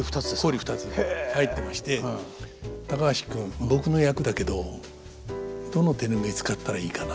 入ってまして「高橋君僕の役だけどどの手拭い使ったらいいかな」